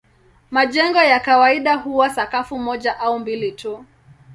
Majengo ya kawaida huwa sakafu moja au mbili tu.